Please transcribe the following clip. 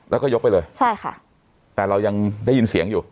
แล้วก็ยกไปเลยใช่ค่ะแต่เรายังได้ยินเสียงอยู่